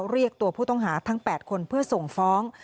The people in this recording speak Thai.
เรียกตัวผู้ต้องหาทั้ง๘คนเพื่อส่งฟ้อง